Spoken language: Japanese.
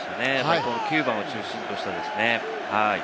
９番を中心とした。